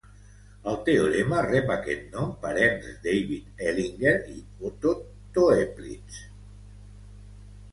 El teorema rep aquest nom per Ernst David Hellinger i Otto Toeplitz.